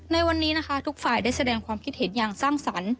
ในวันนี้นะคะทุกฝ่ายได้แสดงความคิดเห็นอย่างสร้างสรรค์